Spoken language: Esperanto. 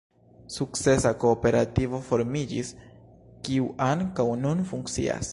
Sukcesa kooperativo formiĝis, kiu ankaŭ nun funkcias.